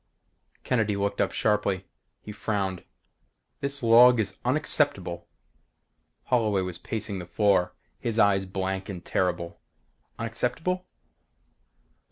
Kennedy looked up sharply. He frowned. "This log is unacceptable." Holloway was pacing the floor, his eyes blank and terrible "Unacceptable?"